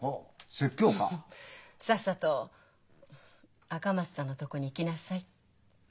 「さっさと赤松さんのとこに行きなさい。